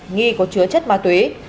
nghi có chứa chất ma túy